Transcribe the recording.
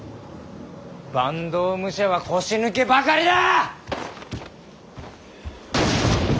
坂東武者は腰抜けばかりだ！